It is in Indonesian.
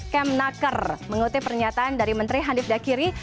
kem naker mengutip pernyataan dari menteri handif dakiri